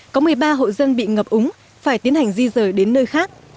có một mươi ba hộ dân bị ngập úng phải tiến hành di rời đến nơi khác